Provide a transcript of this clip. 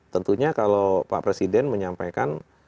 tentunya kalau pak presiden menyampaikan